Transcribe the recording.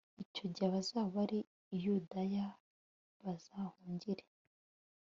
Icyo gihe abazaba bari i Yudaya bazahungire